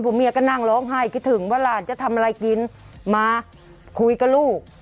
เมียก็นั่งร้องไห้คิดถึงว่าหลานจะทำอะไรกินมาคุยกับลูก